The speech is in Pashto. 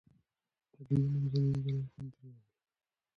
طبیعي منظرې وګورئ او خوند ترې واخلئ.